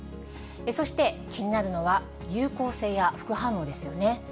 そして気になるのは、有効性や副反応ですよね。